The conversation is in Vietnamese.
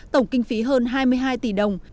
tổng kinh phí hơn hai mươi hai tỷ đồng